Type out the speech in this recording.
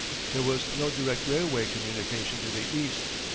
There was no direct railway communication to the East.